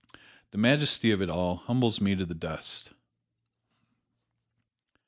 The majesty of it all humbles me to the dust."